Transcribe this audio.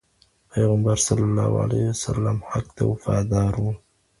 پيغمبر عليه السلام حق ته وفادار و.